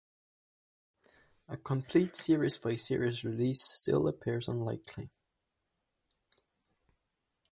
A complete series-by-series release still appears unlikely.